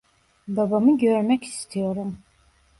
Babamı görmek istiyorum.